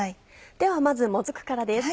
ではまずもずくからです。